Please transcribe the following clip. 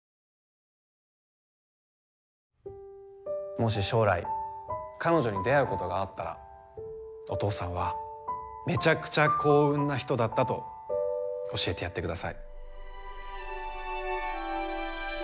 もし将来彼女に出会うことがあったらお父さんはめちゃくちゃ幸運なひとだったと教えてやってください。